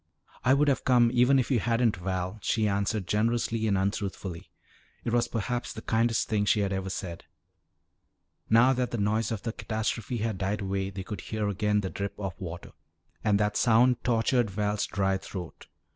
"I would have come even if you hadn't, Val," she answered generously and untruthfully. It was perhaps the kindest thing she had ever said. Now that the noise of the catastrophe had died away they could hear again the drip of water. And that sound tortured Val's dry throat.